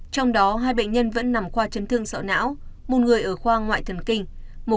trong đó hai bệnh nhân vẫn nằm khoa chấn thương sọ não một người ở khoa ngoại thần kinh